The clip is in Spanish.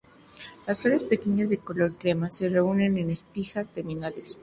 Las flores pequeñas de color crema se reúnen en espigas terminales.